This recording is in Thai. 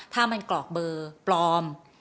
ถ้ามันกรอกเบอร์ปลอม